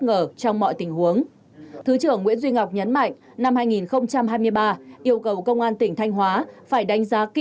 ngờ trong mọi tình huống thứ trưởng nguyễn duy ngọc nhấn mạnh năm hai nghìn hai mươi ba yêu cầu công an tỉnh thanh hóa